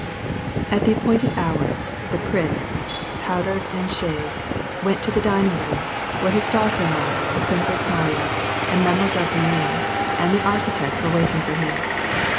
At the appointed hour, the prince, powdered and shai^edv' went to the dining room, where his daughter in law, the Prin ' cess Maviya, and Mile. Bourienne and the architect were wait ing for him.